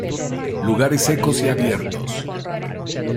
Lugares secos y abiertos.